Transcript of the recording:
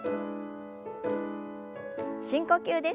深呼吸です。